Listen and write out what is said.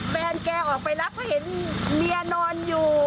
แบร์นแกออกไปแล้วเพราะเห็นเมียนอนอยู่